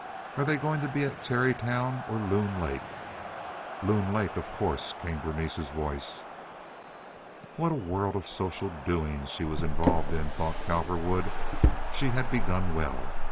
Are they going to be at Tarrytown or Loon Lake?" "Loon Lake, of course," came Berenice's voice. What a world of social doings she was involved in, thought Cowperwood. She had begun well.